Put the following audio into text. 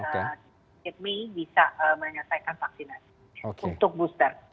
kita mei bisa menyelesaikan vaksinasi untuk booster